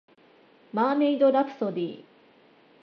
マーメイドラプソディ